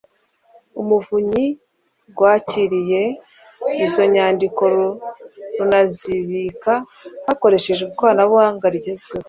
Umuvunyi rwakiriye izo nyandiko runazibika hakoreshejwe ikoranabuhanga rigezweho